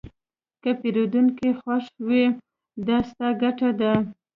که پیرودونکی خوښ وي، دا ستا ګټه ده.